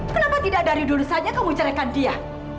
kenapa tidak dari dulu saja kamu menjalankan dia